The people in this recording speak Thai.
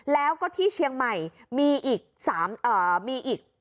แล้วก็ที่เชียงใหม่มีอีกมีอีก